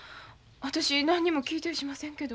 私何にも聞いてやしませんけど。